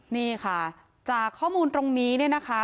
นี่ค่ะจากข้อมูลตรงนี้เนี่ยนะคะ